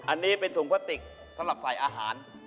อันนี้เป็นถุงพลาสติกสำหรับใส่อาหาร